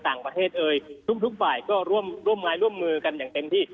ต่างประเทศเอ่ยทุกฝ่ายก็ร่วมไม้ร่วมมือกันอย่างเต็มที่